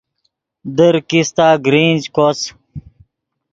در کیستہ گرنج کوس